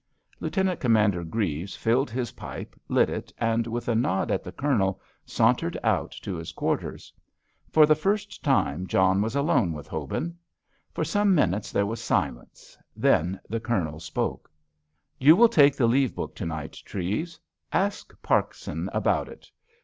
Lieutenant Commander Grieves filled his pipe, lit it, and, with a nod at the Colonel, sauntered out to his quarters. For the first time John was alone with Hobin. For some minutes there was silence, then the Colonel spoke. "You will take the leave book to night, Treves. Ask Parkson about it."